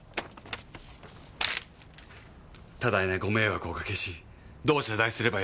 多大なご迷惑をおかけしどう謝罪すればよいか。